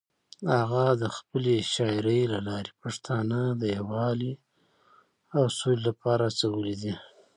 هغه د خپلې شاعرۍ له لارې پښتانه د یووالي او سولې لپاره هڅولي دي.